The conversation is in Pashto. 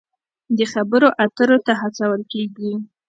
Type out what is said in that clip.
د خبرو اترو ته هڅول کیږي.